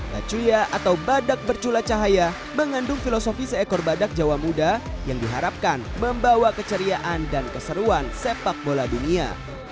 bacuya atau badak bercula cahaya mengandung filosofi seekor badak jawa muda yang diharapkan membawa keceriaan dan keseruan sepak bola dunia